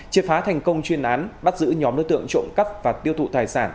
triệt phá thành công chuyên án bắt giữ nhóm đối tượng trộm cắp và tiêu thụ tài sản